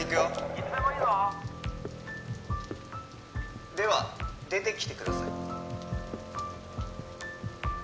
いつでもいいぞでは出てきてください